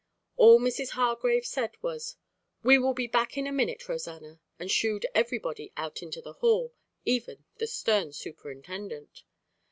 All Mrs. Hargrave said was, "We will be back in a minute, Rosanna," and shooed everybody out into the hall, even the stern superintendent.